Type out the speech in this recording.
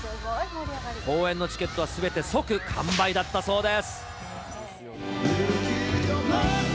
公演のチケットはすべて即完売だったそうです。